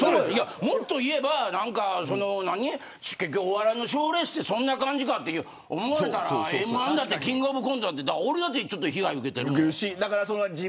もっと言えばお笑い賞レースってそんな感じかって思われたらＭ‐１もキングオブコントも俺も被害を受けてる。